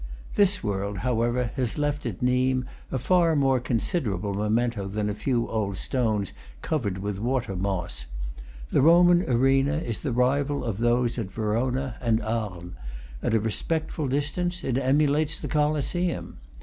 This world, however, has left at Nimes a far more considerable memento than a few old stones covered with water moss. The Roman arena is the rival of those of Verona and of Arles; at a respectful distance it emulates the Colosseum.